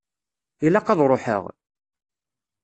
Ilaq ad ṛuḥeɣ?